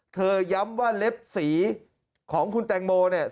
ย้ำว่าเล็บสีของคุณแตงโมเนี่ย